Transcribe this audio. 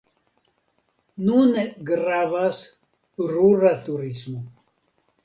Nune gravas rura turismo.